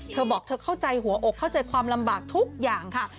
เธอบอกเธอเข้าใจหัวอกเข้าใจความลำบากทุกอย่างค่ะ